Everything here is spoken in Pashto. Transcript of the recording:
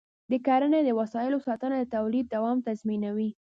د کرنې د وسایلو ساتنه د تولید دوام تضمینوي.